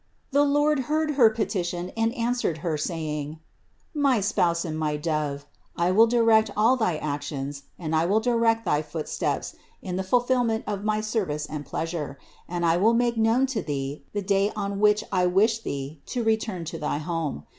The Lord heard Her peti tion and answered Her saying: "My Spouse and my Dove, I will direct all thy actions and I will direct thy footsteps in the fulfillment of my service and pleasure, and I will make known to thee the day on which I wish thee to return to thy home.